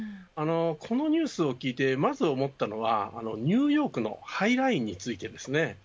このニュースを聞いてまず思ったのはニューヨークのハイラインについてなんです。